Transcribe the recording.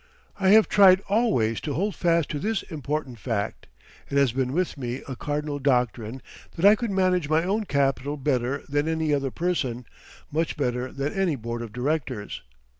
I have tried always to hold fast to this important fact. It has been with me a cardinal doctrine that I could manage my own capital better than any other person, much better than any board of directors.